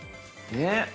えっ？